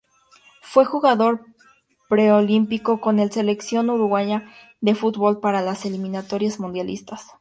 Fue jugador preolímpico con la Selección Uruguaya de Fútbol para las eliminatorias mundialistas.